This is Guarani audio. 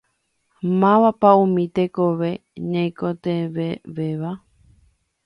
Mávapa umi tekove ñaikotevẽvéva?